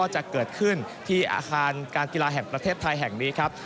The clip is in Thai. จะเกิดขึ้นที่อาคารการกีฬาแห่งประเทศไทยแห่งนี้ครับ